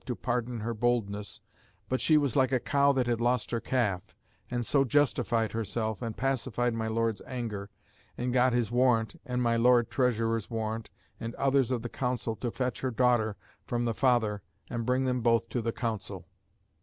to pardon her boldness, but she was like a cow that had lost her calf, and so justified [herself] and pacified my Lord's anger, and got his warrant and my Lo. Treasurer's warrant and others of the Council to fetch her daughter from the father and bring them both to the Council."